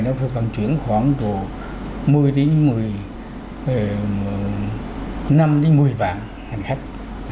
nó phải phân chuyển khoảng một mươi một mươi năm một mươi vạn hành khách